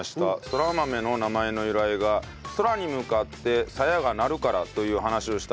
そら豆の名前の由来が空に向かってさやがなるからという話をしたあと相葉君が。